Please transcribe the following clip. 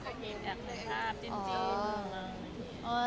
เป็นแฟนอยากจะเอ็นแอคค่ะจิ้น